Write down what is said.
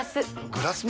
グラスも？